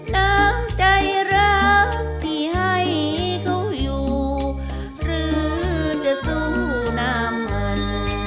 น้ำใจรักที่ให้เขาอยู่หรือจะสู้น้ำมัน